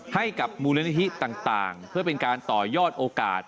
ให้กับมูลนิธิต่างเพื่อเป็นการต่อยอดโอกาส